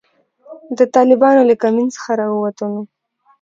د طالبانو له کمین څخه را ووتلو.